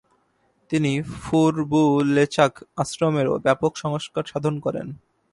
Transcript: তিনি ফুর-বু-ল্চোগ আশ্রমের ব্যাপক সংস্কার সাধন করেন।